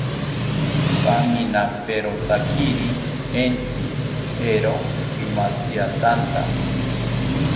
Paminaperotakiri entzi, eero imantziatanta